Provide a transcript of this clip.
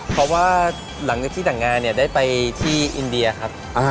เพราะว่าหลังจากที่แต่งงานเนี่ยได้ไปที่อินเดียครับ